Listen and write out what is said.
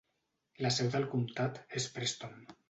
La seu del comtat és Preston.